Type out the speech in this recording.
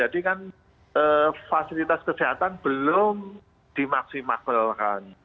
jadi kan fasilitas kesehatan belum dimaksimalkan